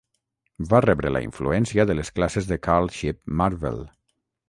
Va rebre la influència de les classes de Carl Shipp Marvel.